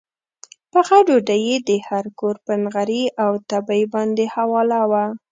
پخه ډوډۍ یې د هر کور پر نغري او تبۍ باندې حواله وه.